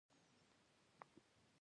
یاد پنځه مشترک فکټورونه لري.